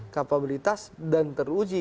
kapabilitas dan teruji